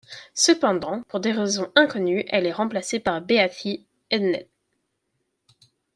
Cependant, pour des raisons inconnues, elle est remplacée par Beatie Edney.